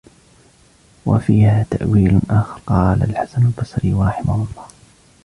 وَفِيهَا تَأْوِيلٌ آخَرُ قَالَهُ الْحَسَنُ الْبَصْرِيُّ رَحِمَهُ اللَّهُ